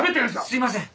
すいません！